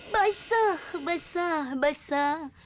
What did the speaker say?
baisah baisah baisah